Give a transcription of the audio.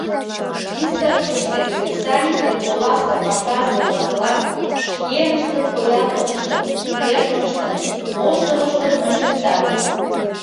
Выставкыште кресаньык ден оласе пашазе-влаклан шкеныштын поянлыкыштым, кертмыштым, моштымыштым ончыктат.